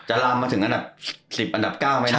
ลามมาถึงอันดับ๑๐อันดับ๙ไหมนะ